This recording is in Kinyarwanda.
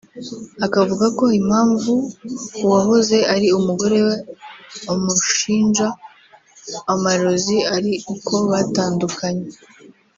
akavuga ko impamvu uwahoze ari umugore we amushinja amarozi ari uko batandukanye